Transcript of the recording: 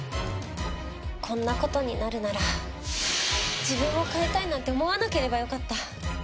こんな事になるなら自分を変えたいなんて思わなければよかった！